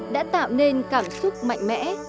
đã tạo nên cảm xúc mạnh mẽ